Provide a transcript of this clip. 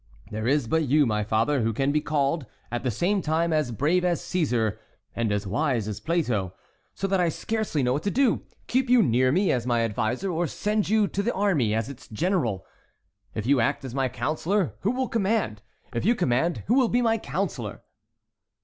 There is but you, my father, who can be called, at the same time, as brave as Cæsar and as wise as Plato; so that I scarcely know what to do—keep you near me, as my adviser, or send you to the army, as its general. If you act as my counsellor, who will command? If you command, who will be my counsellor?"